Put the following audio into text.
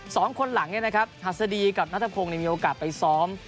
สองคนหลังเนี่ยนะครับหัสดีกับนัทพงศ์มีโอกาสไปซ้อม